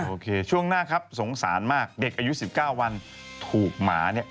ช่วงหน้าครับสงสารมากเด็กอายุ๑๙วันถูกหมาเนี่ย